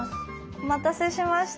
お待たせしました。